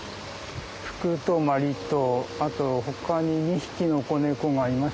ふくとまりとあとほかに２匹の子猫がいましたね。